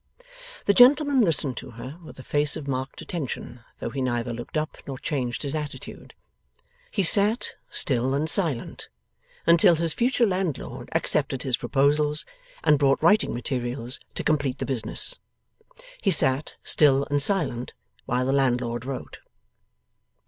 The gentleman listened to her, with a face of marked attention, though he neither looked up nor changed his attitude. He sat, still and silent, until his future landlord accepted his proposals, and brought writing materials to complete the business. He sat, still and silent, while the landlord wrote.